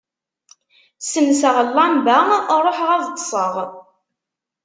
Ssenseɣ llamba, ruḥeɣ ad ṭṭseɣ.